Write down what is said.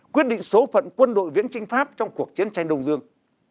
quyết định số phận quân đội viễn trinh pháp trong cuộc chiến tranh đông dương